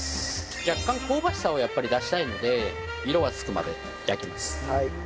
若干香ばしさをやっぱり出したいので色がつくまで焼きます。